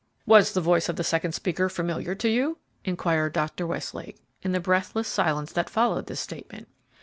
"Was the voice of the second speaker familiar to you?" inquired Dr. Westlake, in the breathless silence that followed this statement.